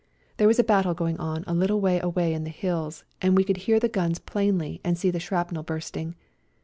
There was a battle going on a little way away in the hills, and we could hear the guns plainly and see the shrapnel bursting.